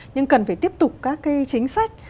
nhưng cần phải tiếp tục các cái chính sách